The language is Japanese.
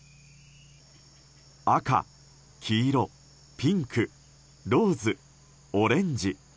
赤、黄色、ピンクローズ、オレンジ。